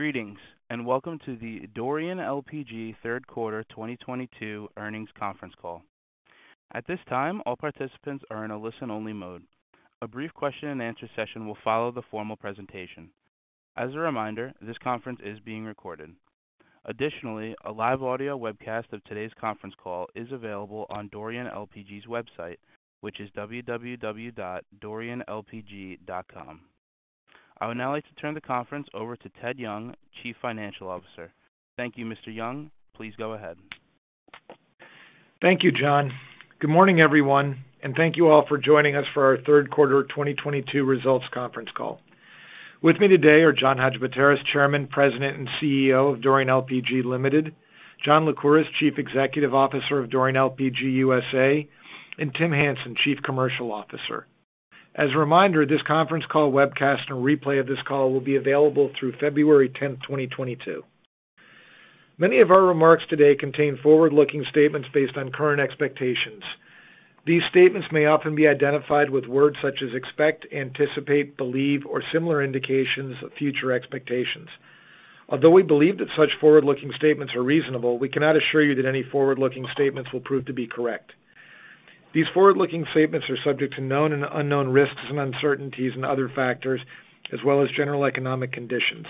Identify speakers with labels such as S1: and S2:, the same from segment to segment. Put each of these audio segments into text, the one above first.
S1: Greetings, and welcome to the Dorian LPG third quarter 2022 earnings conference call. At this time, all participants are in a listen-only mode. A brief question-and-answer session will follow the formal presentation. As a reminder, this conference is being recorded. Additionally, a live audio webcast of today's conference call is available on Dorian LPG's website, which is www.dorianlpg.com. I would now like to turn the conference over to Theodore Young, Chief Financial Officer. Thank you, Mr. Young. Please go ahead.
S2: Thank you, John. Good morning, everyone, and thank you all for joining us for our third quarter 2022 results conference call. With me today are John Hadjipateras, Chairman, President, and CEO of Dorian LPG Limited, John Lycouris, Chief Executive Officer of Dorian LPG USA, and Tim Hansen, Chief Commercial Officer. As a reminder, this conference call webcast and replay of this call will be available through February 10, 2022. Many of our remarks today contain forward-looking statements based on current expectations. These statements may often be identified with words such as expect, anticipate, believe, or similar indications of future expectations. Although we believe that such forward-looking statements are reasonable, we cannot assure you that any forward-looking statements will prove to be correct. These forward-looking statements are subject to known and unknown risks and uncertainties and other factors as well as general economic conditions.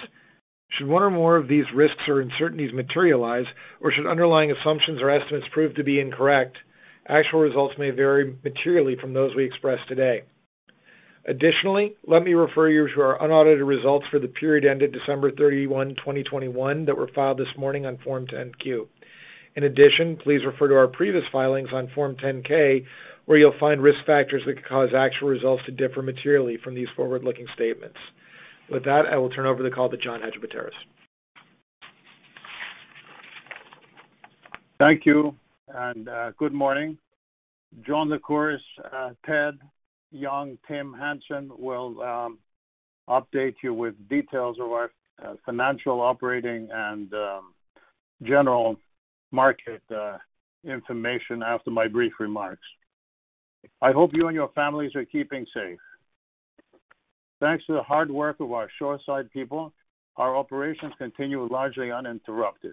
S2: Should one or more of these risks or uncertainties materialize or should underlying assumptions or estimates prove to be incorrect, actual results may vary materially from those we express today. Additionally, let me refer you to our unaudited results for the period ended December 31, 2021 that were filed this morning on Form 10-Q. In addition, please refer to our previous filings on Form 10-K, where you'll find risk factors that could cause actual results to differ materially from these forward-looking statements. With that, I will turn over the call to John Hadjipateras.
S3: Thank you and good morning. John Lycouris, Ted Young, Tim Hansen will update you with details of our financial, operating, and general market information after my brief remarks. I hope you and your families are keeping safe. Thanks to the hard work of our shoreside people, our operations continue largely uninterrupted.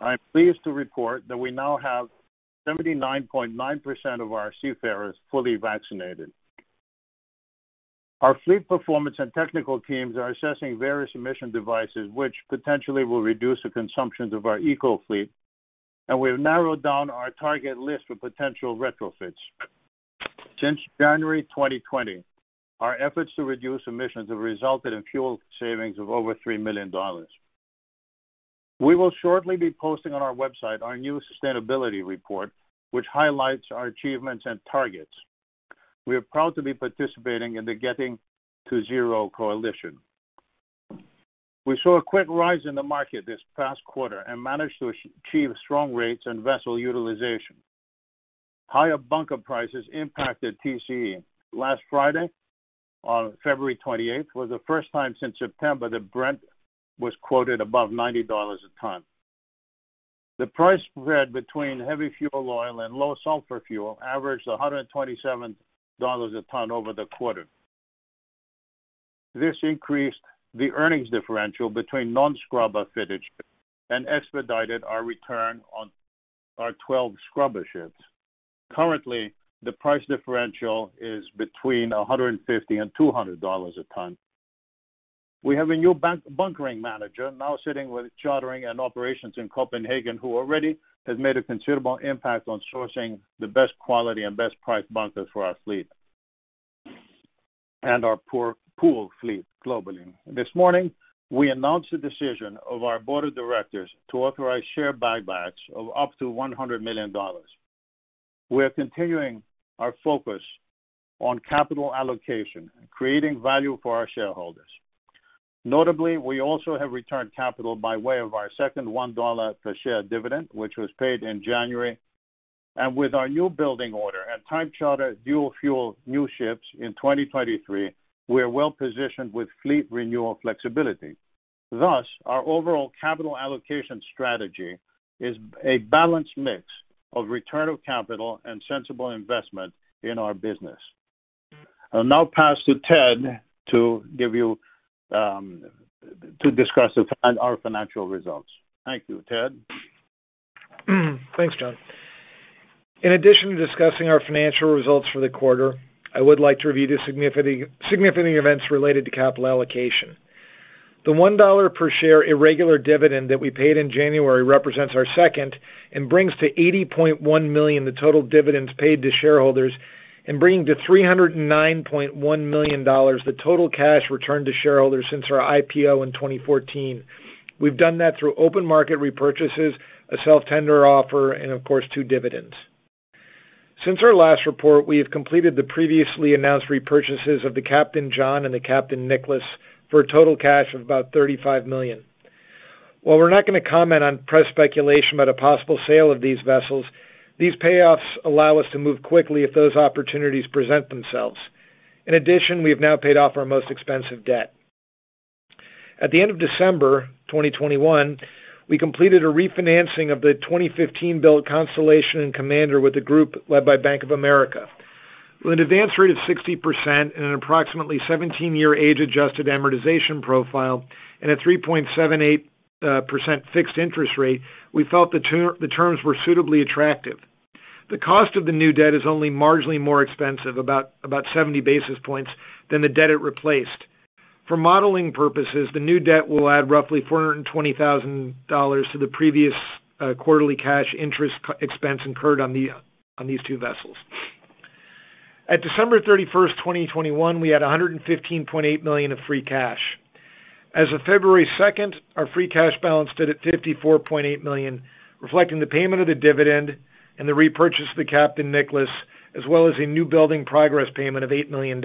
S3: I am pleased to report that we now have 79.9% of our seafarers fully vaccinated. Our fleet performance and technical teams are assessing various emission devices, which potentially will reduce the consumptions of our eco fleet, and we've narrowed down our target list for potential retrofits. Since January 2020, our efforts to reduce emissions have resulted in fuel savings of over $3 million. We will shortly be posting on our website our new sustainability report, which highlights our achievements and targets. We are proud to be participating in the Getting to Zero Coalition. We saw a quick rise in the market this past quarter and managed to achieve strong rates and vessel utilization. Higher bunker prices impacted TCE. Last Friday, on February 28th, was the first time since September that Brent was quoted above $90 a ton. The price spread between heavy fuel oil and low sulfur fuel averaged $127 a ton over the quarter. This increased the earnings differential between non-scrubber fitted and expedited our return on our 12 scrubber ships. Currently, the price differential is between $150 and $200 a ton. We have a new bunkering manager now sitting with chartering and operations in Copenhagen, who already has made a considerable impact on sourcing the best quality and best price bunkers for our fleet and our Helios Pool fleet globally. This morning, we announced the decision of our board of directors to authorize share buybacks of up to $100 million. We are continuing our focus on capital allocation and creating value for our shareholders. Notably, we also have returned capital by way of our second $1-per-share dividend, which was paid in January. With our new building order and time charter dual-fuel new ships in 2023, we are well-positioned with fleet renewal flexibility. Thus, our overall capital allocation strategy is a balanced mix of return of capital and sensible investment in our business. I'll now pass to Ted to give you, to discuss our financial results. Thank you. Ted?
S2: Thanks, John. In addition to discussing our financial results for the quarter, I would like to review the significant events related to capital allocation. The $1 per share irregular dividend that we paid in January represents our second and brings to $80.1 million the total dividends paid to shareholders and bringing to $309.1 million the total cash returned to shareholders since our IPO in 2014. We've done that through open market repurchases, a self-tender offer, and of course, two dividends. Since our last report, we have completed the previously announced repurchases of the Captain John and the Captain Nicholas for a total cash of about $35 million. While we're not gonna comment on press speculation about a possible sale of these vessels, these payoffs allow us to move quickly if those opportunities present themselves. In addition, we have now paid off our most expensive debt. At the end of December 2021, we completed a refinancing of the 2015 build Constellation and Commander with a group led by Bank of America. With an advance rate of 60% and an approximately 17-year age-adjusted amortization profile and a 3.78% fixed interest rate, we felt the terms were suitably attractive. The cost of the new debt is only marginally more expensive, about 70 basis points, than the debt it replaced. For modeling purposes, the new debt will add roughly $420,000 to the previous quarterly cash interest expense incurred on these two vessels. At December 31, 2021, we had $115.8 million of free cash. As of February 2, our free cash balance stood at $54.8 million, reflecting the payment of the dividend and the repurchase of the Captain Nicholas, as well as a new building progress payment of $8 million.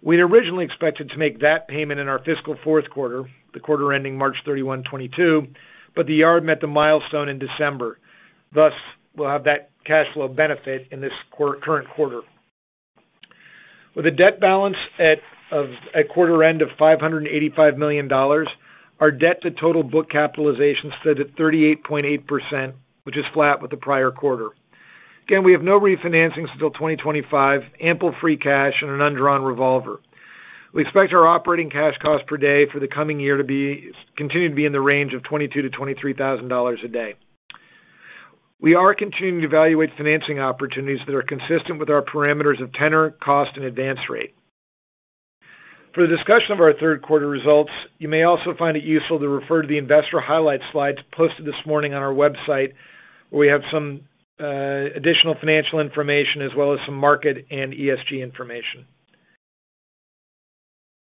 S2: We had originally expected to make that payment in our fiscal fourth quarter, the quarter ending March 31, 2022, but the yard met the milestone in December. Thus, we'll have that cash flow benefit in this current quarter. With a debt balance at quarter-end of $585 million, our debt to total book capitalization stood at 38.8%, which is flat with the prior quarter. Again, we have no refinancings until 2025, ample free cash, and an undrawn revolver. We expect our operating cash cost per day for the coming year to continue to be in the range of $22,000-$23,000 a day. We are continuing to evaluate financing opportunities that are consistent with our parameters of tenor, cost, and advance rate. For the discussion of our third quarter results, you may also find it useful to refer to the investor highlight slides posted this morning on our website, where we have some additional financial information as well as some market and ESG information.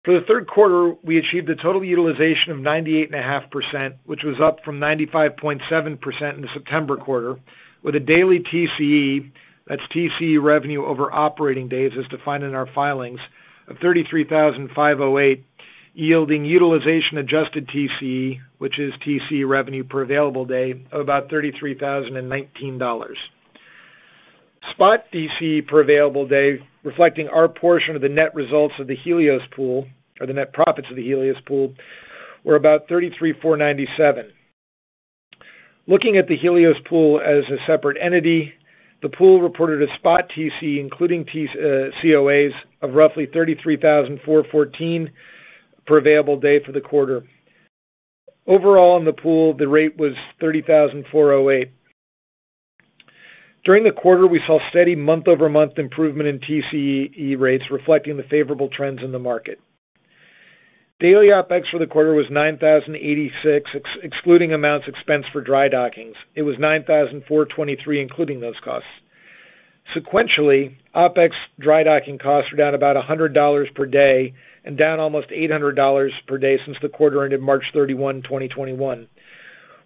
S2: For the third quarter, we achieved a total utilization of 98.5%, which was up from 95.7% in the September quarter, with a daily TCE, that's TCE revenue over operating days as defined in our filings, of $33,508, yielding utilization-adjusted TCE, which is TCE revenue per available day, of about $33,019. Spot TCE per available day, reflecting our portion of the net results of the Helios Pool, or the net profits of the Helios Pool, were about $33,497. Looking at the Helios Pool as a separate entity, the pool reported a spot TCE, including COAs, of roughly $33,414 per available day for the quarter. Overall in the pool, the rate was $30,408. During the quarter, we saw steady month-over-month improvement in TCE rates, reflecting the favorable trends in the market. Daily OpEx for the quarter was $9,086, excluding amounts expensed for dry dockings. It was $9,423, including those costs. Sequentially, OpEx dry docking costs were down about $100 per day and down almost $800 per day since the quarter ended March 31, 2021.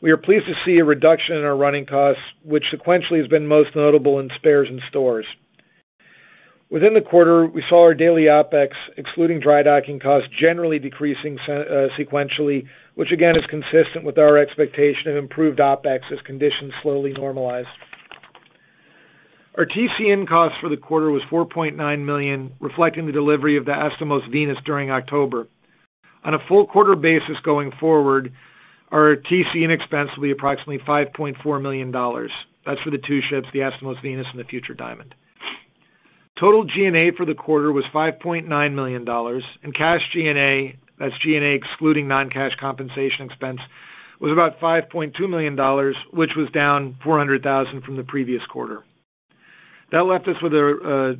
S2: We are pleased to see a reduction in our running costs, which sequentially has been most notable in spares and stores. Within the quarter, we saw our daily OpEx, excluding dry docking costs, generally decreasing sequentially, which again is consistent with our expectation of improved OpEx as conditions slowly normalize. Our TCE income for the quarter was $4.9 million, reflecting the delivery of the Astomos Venus during October. On a full-quarter basis going forward, our TCE expense approximately $5.4 million. That's for the two ships, the Astomos Venus and the Future Diamond. Total G&A for the quarter was $5.9 million, and cash G&A, that's G&A excluding non-cash compensation expense, was about $5.2 million, which was down $400,000 from the previous quarter. That left us with a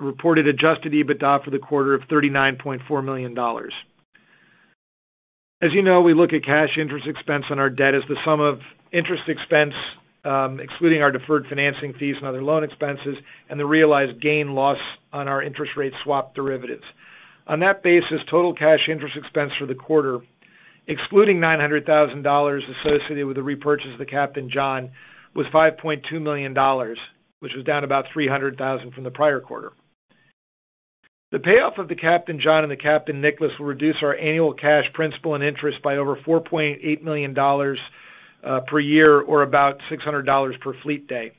S2: reported adjusted EBITDA for the quarter of $39.4 million. As you know, we look at cash interest expense on our debt as the sum of interest expense, excluding our deferred financing fees and other loan expenses, and the realized gain loss on our interest rate swap derivatives. On that basis, total cash interest expense for the quarter, excluding $900,000 associated with the repurchase of the Captain John, was $5.2 million, which was down about $300,000 from the prior quarter. The payoff of the Captain John and the Captain Nicholas will reduce our annual cash principal and interest by over $4.8 million per year or about $600 per fleet day.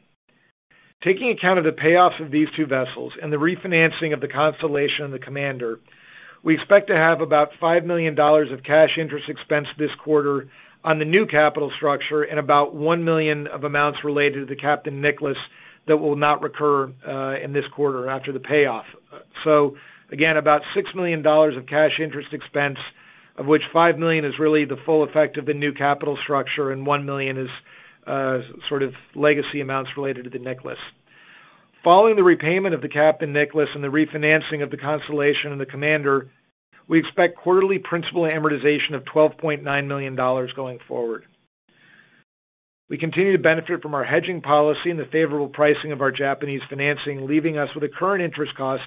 S2: Taking account of the payoffs of these two vessels and the refinancing of the Constellation and the Commander, we expect to have about $5 million of cash interest expense this quarter on the new capital structure and about $1 million of amounts related to the Captain Nicholas LP that will not recur in this quarter after the payoff. Again, about $6 million of cash interest expense, of which $5 million is really the full effect of the new capital structure and $1 million is sort of legacy amounts related to the Nicholas ML. Following the repayment of the Captain Nicholas ML and the refinancing of the Constellation and the Commander, we expect quarterly principal amortization of $12.9 million going forward. We continue to benefit from our hedging policy and the favorable pricing of our Japanese financing, leaving us with a current interest cost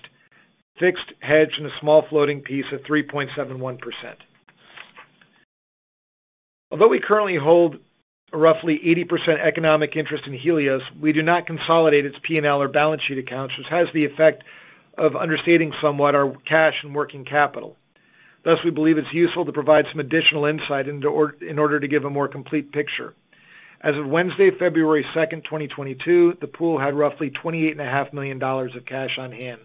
S2: fixed hedge and a small floating piece of 3.71%. Although we currently hold roughly 80% economic interest in Helios, we do not consolidate its P&L or balance sheet accounts, which has the effect of understating somewhat our cash and working capital. Thus, we believe it's useful to provide some additional insight in order to give a more complete picture. As of Wednesday, February second, 2022, the pool had roughly $28 and a half million of cash on hand.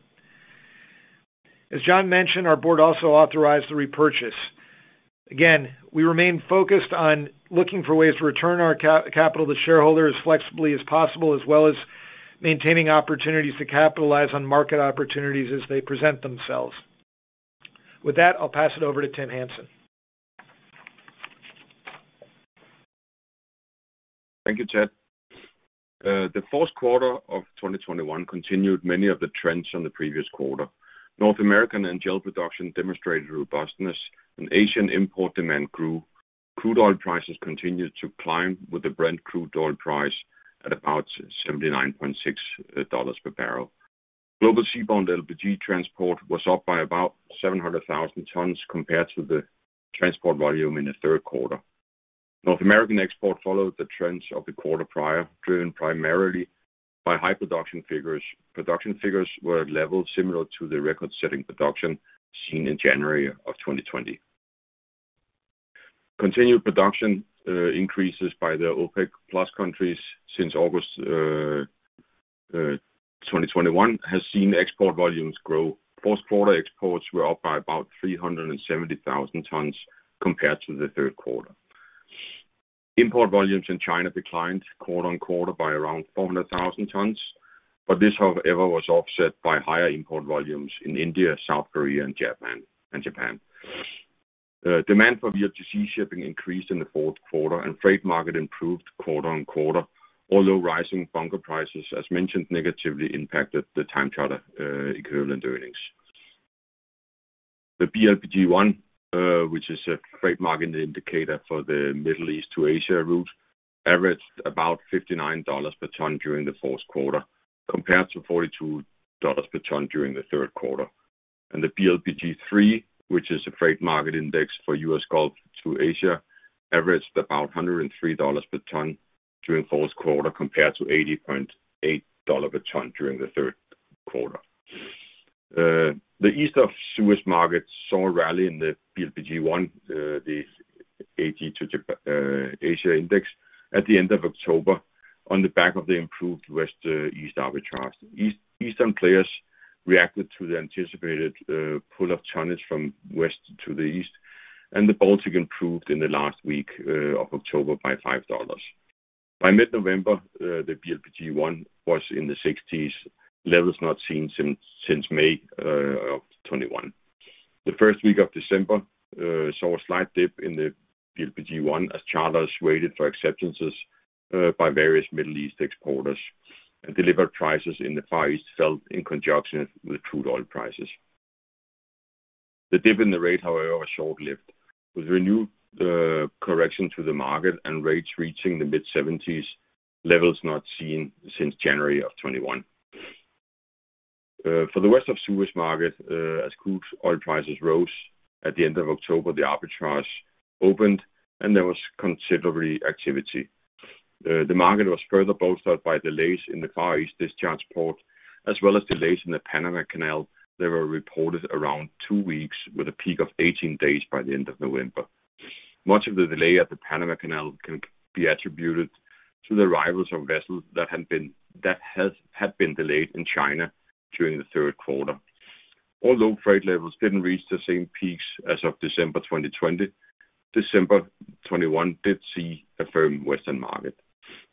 S2: As John mentioned, our board also authorized the repurchase. Again, we remain focused on looking for ways to return our capital to shareholders as flexibly as possible, as well as maintaining opportunities to capitalize on market opportunities as they present themselves. With that, I'll pass it over to Tim Hansen.
S4: Thank you, Ted. The fourth quarter of 2021 continued many of the trends on the previous quarter. North American NGL production demonstrated robustness and Asian import demand grew. Crude oil prices continued to climb with the Brent crude oil price at about $79.6 per barrel. Global seaborne LPG transport was up by about 700,000 tons compared to the transport volume in the third quarter. North American export followed the trends of the quarter prior, driven primarily by high production figures. Production figures were at levels similar to the record-setting production seen in January of 2020. Continued production increases by the OPEC+ countries since August 2021 has seen export volumes grow. Fourth quarter exports were up by about 370,000 tons compared to the third quarter. Import volumes in China declined quarter-on-quarter by around 400,000 tons, but this, however, was offset by higher import volumes in India, South Korea, and Japan. Demand for VLGC shipping increased in the fourth quarter and freight market improved quarter-on-quarter, although rising bunker prices, as mentioned, negatively impacted the time charter equivalent earnings. The BLPG1, which is a freight market indicator for the Middle East to Asia route, averaged about $59 per ton during the fourth quarter, compared to $42 per ton during the third quarter. The BLPG3, which is a freight market index for U.S. Gulf to Asia, averaged about $103 per ton during the fourth quarter, compared to $80.8 per ton during the third quarter. The East of Suez market saw a rally in the BLPG1, the AG to Asia index at the end of October on the back of the improved West-East arbitrage. Eastern players reacted to the anticipated pull of tonnage from West to the East, and the Baltic improved in the last week of October by $5. By mid-November, the BLPG1 was in the 60s, levels not seen since May of 2021. The first week of December saw a slight dip in the BLPG1 as charters waited for acceptances by various Middle East exporters, and delivered prices in the Far East fell in conjunction with crude oil prices. The dip in the rate, however, was short-lived, with renewed correction to the market and rates reaching the mid-70s, levels not seen since January of 2021. For the West of Suez market, as crude oil prices rose at the end of October, the arbitrage opened and there was considerable activity. The market was further bolstered by delays in the Far East discharge port, as well as delays in the Panama Canal that were reported around two weeks with a peak of 18 days by the end of November. Much of the delay at the Panama Canal can be attributed to the arrivals of vessels that had been delayed in China during the third quarter. Although freight levels didn't reach the same peaks as of December 2020, December 2021 did see a firm Western market.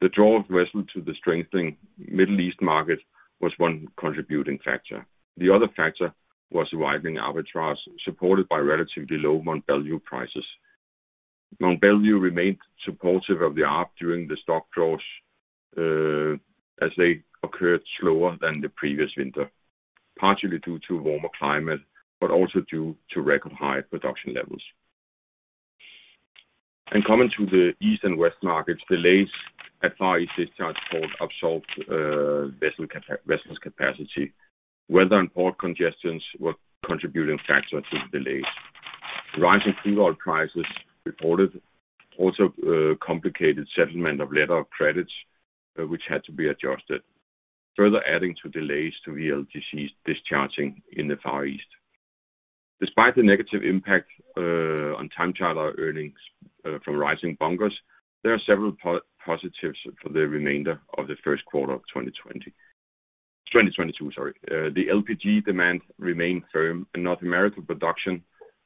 S4: The draw of vessels to the strengthening Middle East market was one contributing factor. The other factor was the widening arbitrage, supported by relatively low Mont Belvieu prices. Mont Belvieu remained supportive of the arc during the stock draws as they occurred slower than the previous winter, partially due to warmer climate, but also due to record high production levels. In common to the East and West markets, delays at Far East discharge port absorbed vessels capacity. Weather and port congestion were contributing factors to the delays. Rising crude oil prices reported also complicated settlement of letters of credit, which had to be adjusted, further adding to delays to VLGCs discharging in the Far East. Despite the negative impact on time charter earnings from rising bunkers, there are several positives for the remainder of the first quarter of 2022. The LPG demand remained firm and North American production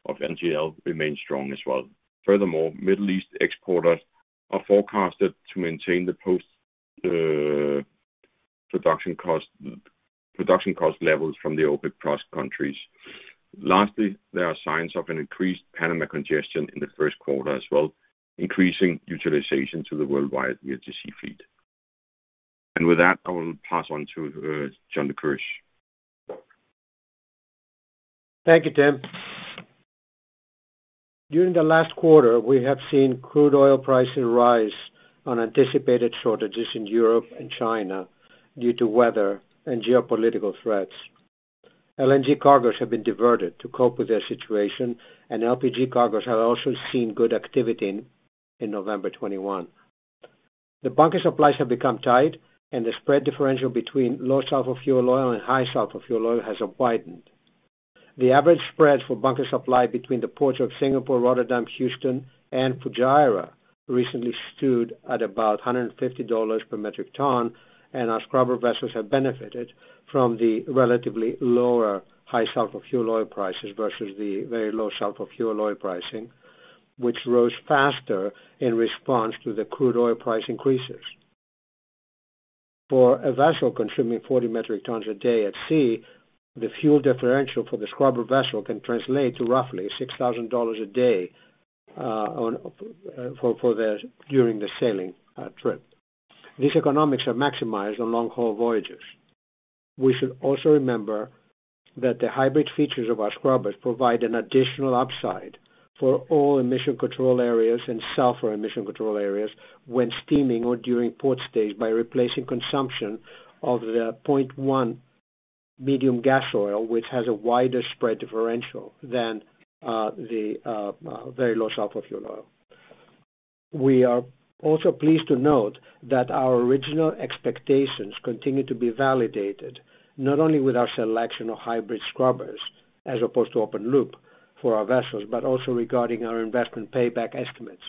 S4: of NGL remained strong as well. Furthermore, Middle East exporters are forecasted to maintain the post production cost levels from the OPEC+ countries. Lastly, there are signs of an increased Panama congestion in the first quarter as well, increasing utilization to the worldwide VLGC fleet. With that, I will pass on to John Lycouris.
S5: Thank you, Tim. During the last quarter, we have seen crude oil prices rise on anticipated shortages in Europe and China due to weather and geopolitical threats. LNG cargos have been diverted to cope with their situation, and LPG cargos have also seen good activity in November 2021. The bunker supplies have become tight, and the spread differential between low sulfur fuel oil and high sulfur fuel oil has widened. The average spread for bunker supply between the ports of Singapore, Rotterdam, Houston, and Fujairah recently stood at about $150 per metric ton, and our scrubber vessels have benefited from the relatively lower high sulfur fuel oil prices versus the very low sulfur fuel oil pricing, which rose faster in response to the crude oil price increases. For a vessel consuming 40 metric tons a day at sea, the fuel differential for the scrubber vessel can translate to roughly $6,000 a day for the duration of the sailing trip. These economics are maximized on long-haul voyages. We should also remember that the hybrid features of our scrubbers provide an additional upside for all emission control areas and sulfur emission control areas when steaming or during port stays by replacing consumption of the 0.1 marine gas oil, which has a wider spread differential than the very low sulfur fuel oil. We are also pleased to note that our original expectations continue to be validated, not only with our selection of hybrid scrubbers as opposed to open loop for our vessels, but also regarding our investment payback estimates.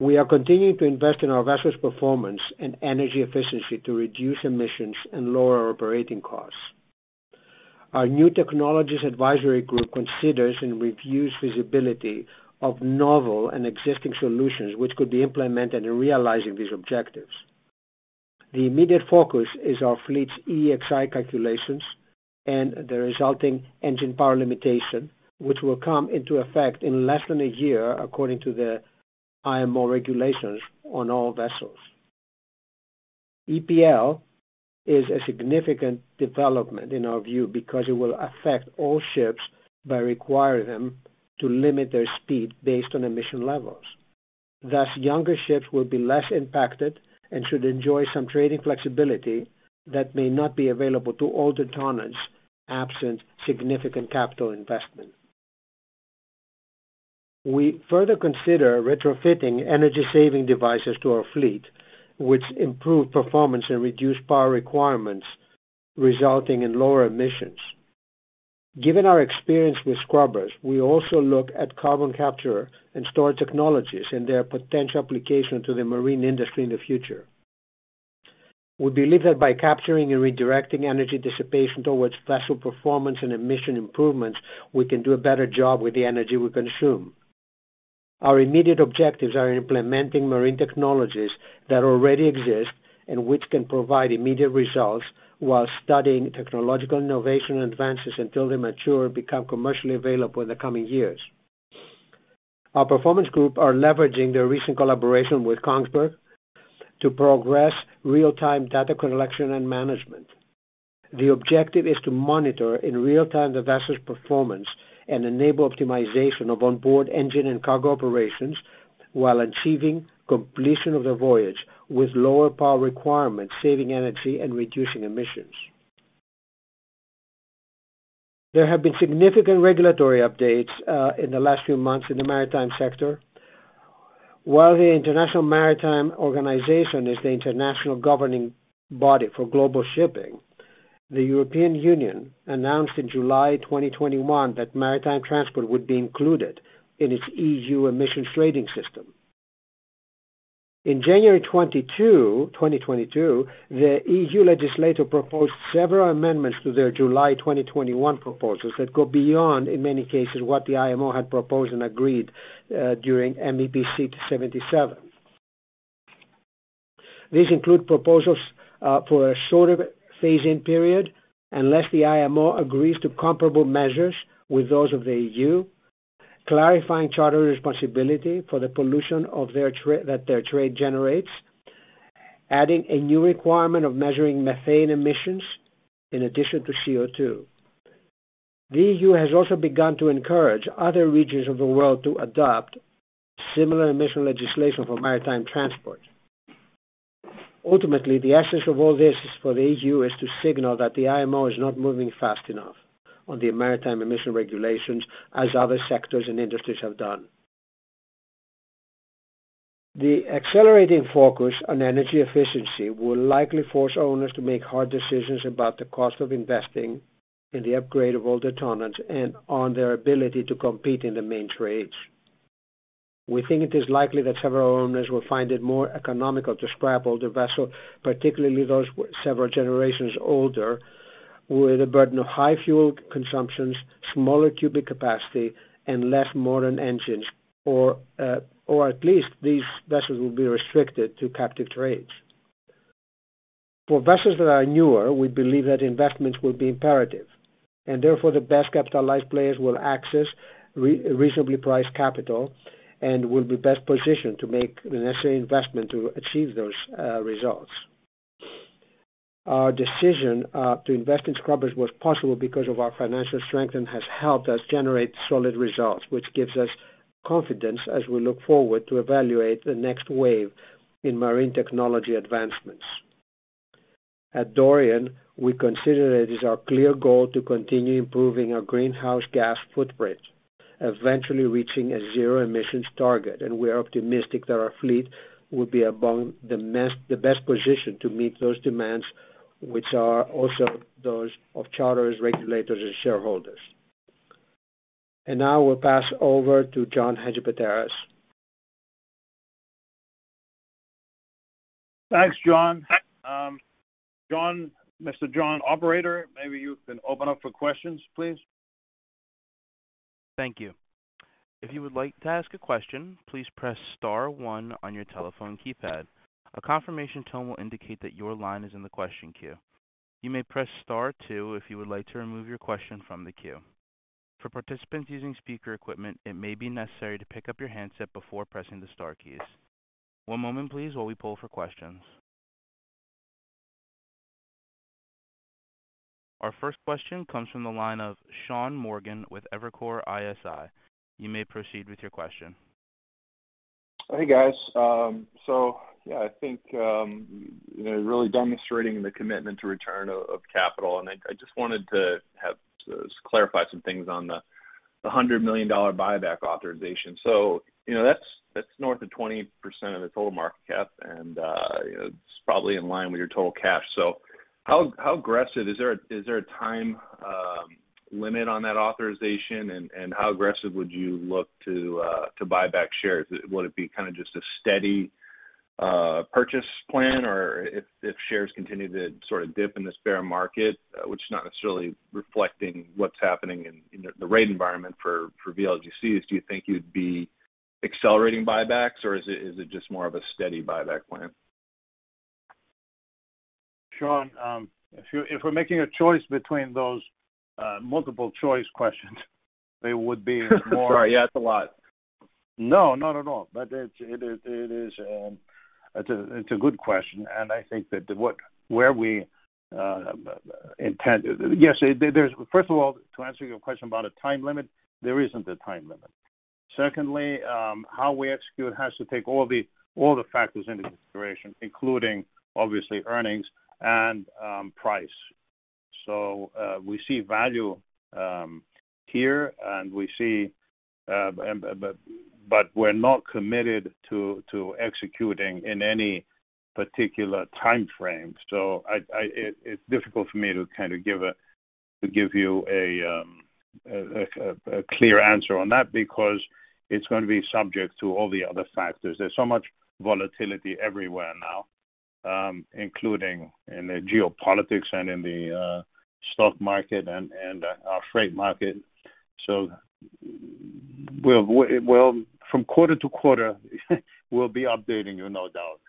S5: We are continuing to invest in our vessels' performance and energy efficiency to reduce emissions and lower operating costs. Our new technologies advisory group considers and reviews feasibility of novel and existing solutions which could be implemented in realizing these objectives. The immediate focus is our fleet's EEXI calculations and the resulting engine power limitation, which will come into effect in less than a year according to the IMO regulations on all vessels. EPL is a significant development in our view because it will affect all ships by requiring them to limit their speed based on emission levels. Thus, younger ships will be less impacted and should enjoy some trading flexibility that may not be available to older tonnages absent significant capital investment. We further consider retrofitting energy-saving devices to our fleet, which improve performance and reduce power requirements, resulting in lower emissions. Given our experience with scrubbers, we also look at carbon capture and storage technologies and their potential application to the marine industry in the future. We believe that by capturing and redirecting energy dissipation towards vessel performance and emission improvements, we can do a better job with the energy we consume. Our immediate objectives are implementing marine technologies that already exist and which can provide immediate results while studying technological innovation advances until they mature and become commercially available in the coming years. Our performance group are leveraging their recent collaboration with Kongsberg to progress real-time data collection and management. The objective is to monitor in real time the vessel's performance and enable optimization of onboard engine and cargo operations while achieving completion of the voyage with lower power requirements, saving energy and reducing emissions. There have been significant regulatory updates in the last few months in the maritime sector. While the International Maritime Organization is the international governing body for global shipping, the European Union announced in July 2021 that maritime transport would be included in its EU Emissions Trading System. In January 2022, the EU legislator proposed several amendments to their July 2021 proposals that go beyond, in many cases, what the IMO had proposed and agreed during MEPC 77. These include proposals for a shorter phase-in period unless the IMO agrees to comparable measures with those of the EU, clarifying charterers' responsibility for the pollution that their trade generates, adding a new requirement of measuring methane emissions in addition to CO₂. The EU has also begun to encourage other regions of the world to adopt similar emission legislation for maritime transport. Ultimately, the essence of all this is for the EU is to signal that the IMO is not moving fast enough on the maritime emission regulations as other sectors and industries have done. The accelerating focus on energy efficiency will likely force owners to make hard decisions about the cost of investing in the upgrade of older tonnage and on their ability to compete in the main trades. We think it is likely that several owners will find it more economical to scrap older vessels, particularly those several generations older, with a burden of high fuel consumptions, smaller cubic capacity, and less modern engines, or at least these vessels will be restricted to captive trades. For vessels that are newer, we believe that investments will be imperative, and therefore, the best capitalized players will access reasonably priced capital and will be best positioned to make the necessary investment to achieve those results. Our decision to invest in scrubbers was possible because of our financial strength and has helped us generate solid results, which gives us confidence as we look forward to evaluate the next wave in marine technology advancements. At Dorian, we consider it is our clear goal to continue improving our greenhouse gas footprint, eventually reaching a zero emissions target. We are optimistic that our fleet will be among the best position to meet those demands, which are also those of charters, regulators, and shareholders. Now we'll pass over to John Hadjipateras.
S3: Thanks, John. Mr. John, operator, maybe you can open up for questions, please.
S1: Thank you. If you would like to ask a question, please press star 1 on your telephone keypad. A confirmation tone will indicate that your line is in the question queue. You may press star 2 if you would like to remove your question from the queue. For participants using speaker equipment, it may be necessary to pick up your handset before pressing the star keys. One moment, please, while we pull for questions. Our first question comes from the line of Sean Morgan with Evercore ISI. You may proceed with your question.
S6: Hey, guys. I think you know, really demonstrating the commitment to return of capital. I just wanted to clarify some things on the $100 million buyback authorization. You know, that's north of 20% of the total market cap, and it's probably in line with your total cash. How aggressive is there a time limit on that authorization? How aggressive would you look to buy back shares? Would it be kinda just a steady purchase plan? Or if shares continue to sort of dip in this bear market, which is not necessarily reflecting what's happening in the rate environment for VLGCs, do you think you'd be accelerating buybacks or is it just more of a steady buyback plan?
S3: Sean, if we're making a choice between those multiple choice questions, they would be more
S6: Sorry. Yeah, it's a lot.
S3: No, not at all. It's a good question. First of all, to answer your question about a time limit, there isn't a time limit. Secondly, how we execute has to take all the factors into consideration, including, obviously, earnings and price. We see value here, but we're not committed to executing in any particular timeframe. It's difficult for me to kind of give you a clear answer on that because it's gonna be subject to all the other factors. There's so much volatility everywhere now, including in the geopolitics and in the stock market and our freight market. We'll from quarter to quarter, we'll be updating you no doubt.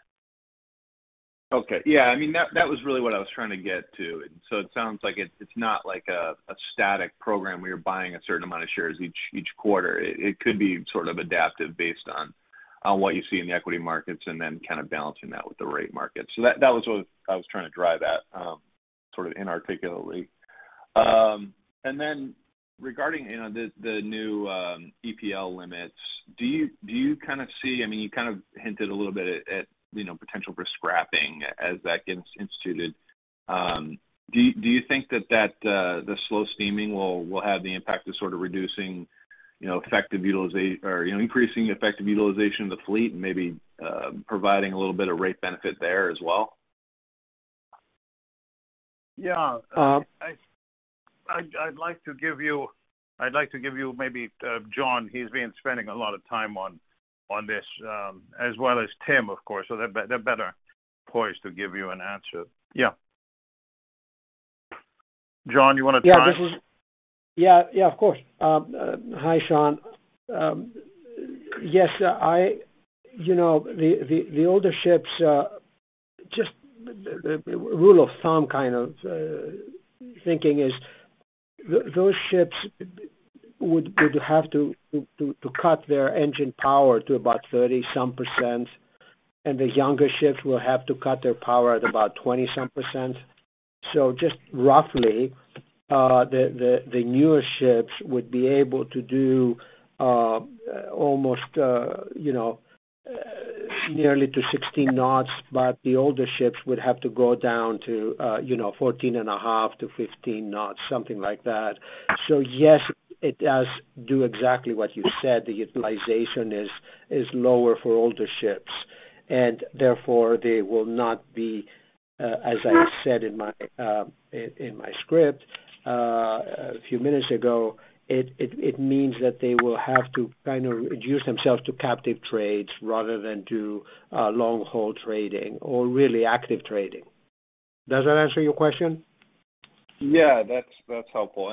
S6: Okay. Yeah. I mean, that was really what I was trying to get to. It sounds like it's not like a static program where you're buying a certain amount of shares each quarter. It could be sort of adaptive based on what you see in the equity markets and then kind of balancing that with the rate market. That was what I was trying to drive at, sort of inarticulately. Then regarding, you know, the new EPL limits, do you kind of see? I mean, you kind of hinted a little bit at, you know, potential for scrapping as that gets instituted. Do you think that the slow steaming will have the impact of sort of reducing, you know, effective utilization or, you know, increasing effective utilization of the fleet and maybe providing a little bit of rate benefit there as well?
S3: Yeah. I'd like to give you maybe John. He's been spending a lot of time on this, as well as Tim, of course. They're better poised to give you an answer. Yeah. John, you wanna try?
S5: Yeah, of course. Hi, Sean. Yes, you know, the older ships, just the rule of thumb kind of thinking is those ships would have to cut their engine power to about 30-some%, and the younger ships will have to cut their power at about 20-some%. Just roughly, the newer ships would be able to do almost, you know, nearly 16 knots, but the older ships would have to go down to, you know, 14.5-15 knots, something like that. Yes, it does do exactly what you said. The utilization is lower for older ships, and therefore they will not be as I said in my script a few minutes ago, it means that they will have to kind of reduce themselves to captive trades rather than do long-haul trading or really active trading. Does that answer your question?
S6: Yeah. That's helpful.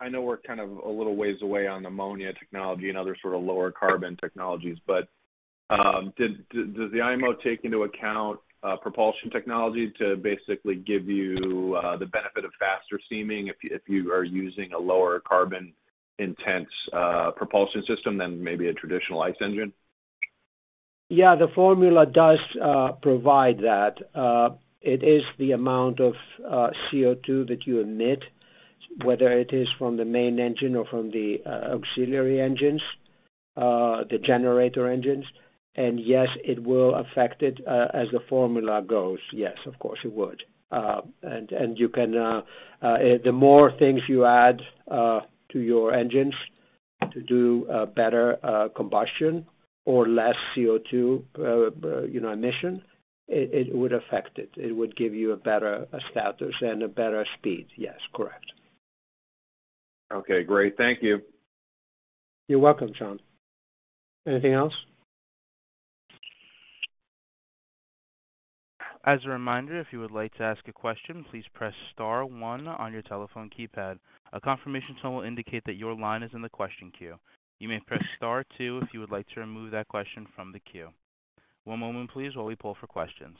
S6: I know we're kind of a little ways away on ammonia technology and other sort of lower carbon technologies, but does the IMO take into account propulsion technology to basically give you the benefit of faster steaming if you are using a lower carbon-intensive propulsion system than maybe a traditional ICE engine?
S5: Yeah, the formula does provide that. It is the amount of CO₂ that you emit, whether it is from the main engine or from the auxiliary engines- the generator engines, and yes, it will affect it, as the formula goes. Yes, of course, it would. The more things you add to your engines to do better combustion or less CO₂, you know, emission, it would affect it. It would give you a better status and a better speed. Yes, correct.
S6: Okay, great. Thank you.
S3: You're welcome, Sean. Anything else?
S1: As a reminder, if you would like to ask a question, please press star 1 on your telephone keypad. A confirmation tone will indicate that your line is in the question queue. You may press star 2 if you would like to remove that question from the queue. One moment please, while we poll for questions.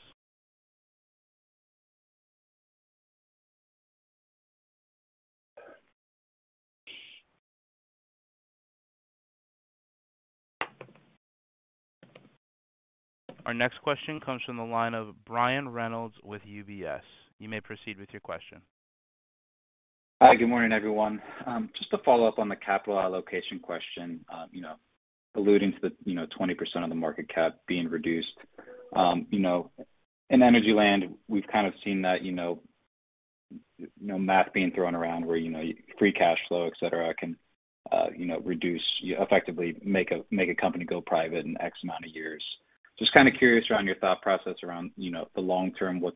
S1: Our next question comes from the line of Brian Reynolds with UBS. You may proceed with your question.
S7: Hi, good morning, everyone. Just to follow up on the capital allocation question, you know, alluding to the, you know, 20% of the market cap being reduced. You know, in energy land, we've kind of seen that, you know, math being thrown around where, you know, free cash flow, et cetera, can, you know, reduce effectively, make a company go private in X amount of years. Just kind of curious around your thought process around, you know, the long term. What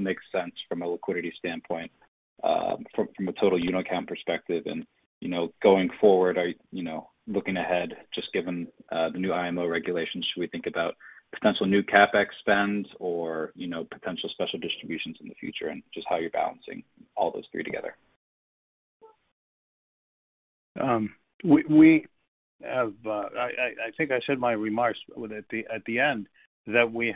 S7: makes sense from a liquidity standpoint, from a total unicam perspective and, you know, going forward. Looking ahead, just given the new IMO regulations, should we think about potential new CapEx spends or, you know, potential special distributions in the future and just how you're balancing all those three together?
S3: I think I said in my remarks at the end that we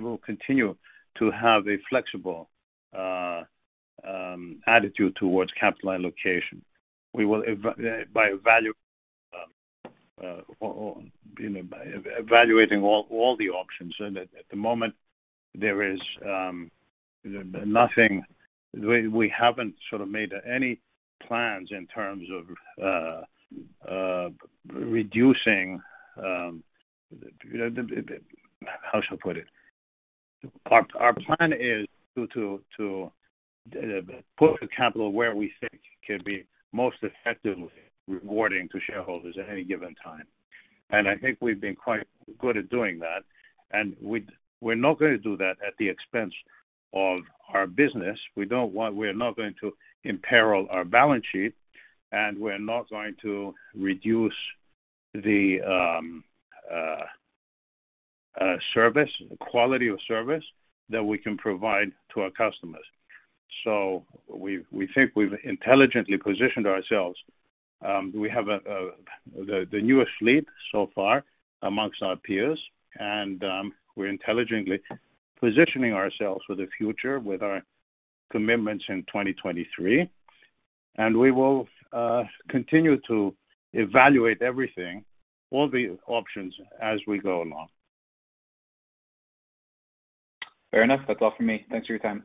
S3: will continue to have a flexible attitude towards capital allocation. We will, you know, by evaluating all the options. At the moment, there is nothing. We haven't sort of made any plans in terms of reducing, you know, how to put it. Our plan is to put the capital where we think can be most effectively rewarding to shareholders at any given time. I think we've been quite good at doing that. We're not going to do that at the expense of our business. We're not going to imperil our balance sheet, and we're not going to reduce the quality of service that we can provide to our customers. We think we've intelligently positioned ourselves. We have the newest fleet so far among our peers, and we're intelligently positioning ourselves for the future with our commitments in 2023. We will continue to evaluate everything, all the options as we go along.
S7: Fair enough. That's all for me. Thanks for your time.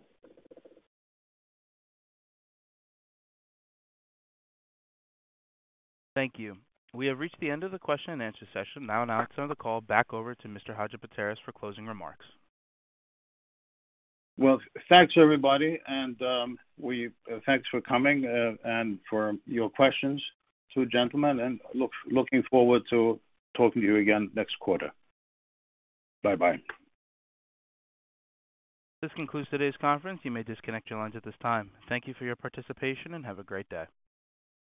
S1: Thank you. We have reached the end of the question and answer session. Now I'll turn the call back over to Mr. Hadjipateras for closing remarks.
S3: Well, thanks, everybody, and thanks for coming and for your questions to gentlemen and looking forward to talking to you again next quarter. Bye-bye.
S1: This concludes today's conference. You may disconnect your lines at this time. Thank you for your participation, and have a great day.